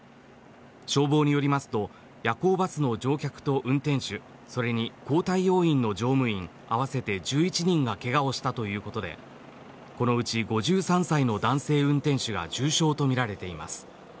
消防によりますと夜行バスの乗客と運転手それに交代要員の乗務員合わせて１１人がケガをしたということでこのうち５３歳の男性運転手が重傷とみられています。